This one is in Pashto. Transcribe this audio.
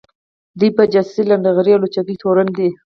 دوی په جاسوۍ ، لنډغري او لوچکۍ تورن دي